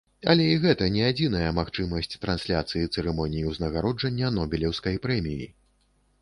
Але і гэта не адзіная магчымасць трансляцыі цырымоніі ўзнагароджання нобелеўскай прэміі!